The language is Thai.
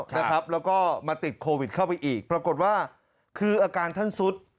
แล้วก็มาติดโควิดเข้าไปอีกปรากฏว่าคืออาการท่านสุด